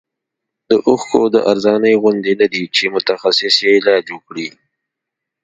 د اوښکو د ارزانۍ غوندې نه دی چې متخصص یې علاج وکړي.